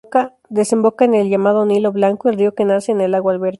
Desemboca en el llamado Nilo Blanco, el río que nace en el lago Alberto.